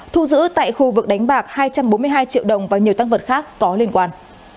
thu giữ tại khu vực đánh bạc hai trăm bốn mươi hai triệu đồng và nhiều tăng vật khác có liên quan